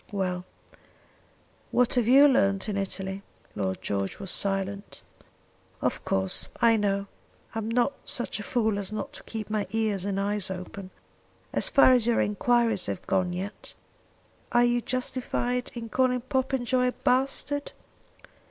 Well; what have you learned in Italy?" Lord George was silent. "Of course, I know. I'm not such a fool as not to keep my ears and eyes open. As far as your enquiries have gone yet, are you justified in calling Popenjoy a bastard?"